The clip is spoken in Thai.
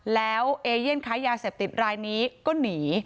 แล้วเอเย่นค้ายาเสพติดรายนี้ก็หนี